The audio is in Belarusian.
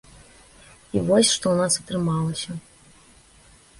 І вось, што ў нас атрымалася.